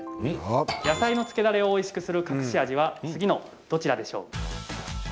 野菜の漬けだれをおいしくする隠し味は次のどちらでしょう？